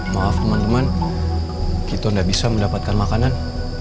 maaf teman teman kita tidak bisa mendapatkan makanan